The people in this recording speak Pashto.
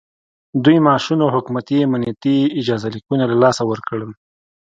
دوی معاشونه او حکومتي امنیتي اجازه لیکونه له لاسه ورکړل